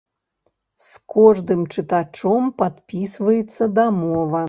З кожным чытачом падпісваецца дамова.